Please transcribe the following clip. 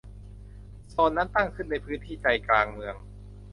โซนนั้นตั้งขึ้นในพื้นที่ใจกลางเมือง